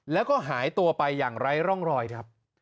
แล้วก็หายตัวไปอย่างไร้ร่องรอยครับ